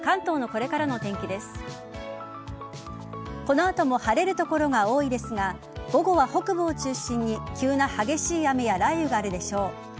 この後も晴れる所が多いですが午後は北部を中心に急な激しい雨や雷雨があるでしょう。